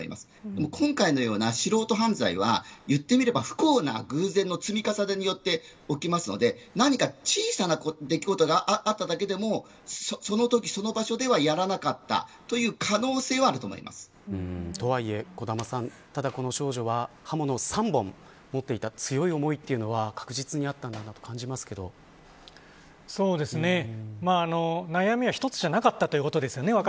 でも今回のような素人犯罪は言ってみれば、不幸な偶然の積み重ねで起きますので何か小さな出来事があっただけでもそのとき、その場所ではやらなかったというとはいえ小玉さんただこの少女は刃物３本持っていた強い思いというのは悩みは１つじゃなかったということですね。